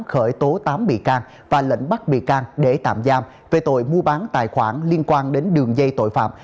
khởi tố tám bị can và lệnh bắt bị can để tạm giam về tội mua bán tài khoản liên quan đến đường dây tội phạm